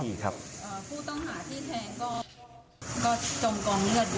ผู้ต้องหาที่แทงก็จมกองเลือดอยู่หนึ่งกัน